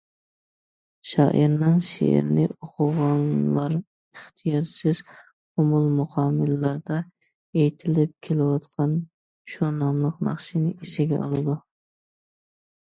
شائىرنىڭ شېئىرىنى ئوقۇغانلار ئىختىيارسىز قومۇل مۇقاملىرىدا ئېيتىلىپ كېلىۋاتقان شۇ ناملىق ناخشىنى ئېسىگە ئالىدۇ.